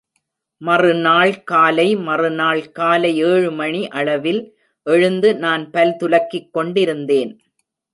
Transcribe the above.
மறுநாள் காலை மறுநாள் காலை ஏழுமணி அளவில் எழுந்து நான் பல் துலக்கிக் கொண்டிருந்தேன்.